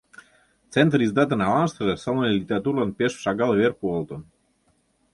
Центриздатын аланыштыже сылне литературылан пеш шагал вер пуалтын.